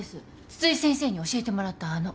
津々井先生に教えてもらったあの。